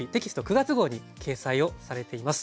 ９月号に掲載をされています。